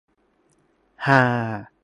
- ฮา